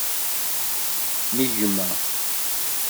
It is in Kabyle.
N gma.